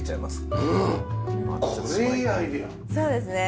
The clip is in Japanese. そうですね。